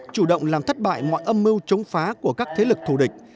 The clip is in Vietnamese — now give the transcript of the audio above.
chủ động làm thất bại mọi âm mưu chống phá của các thế lực thù địch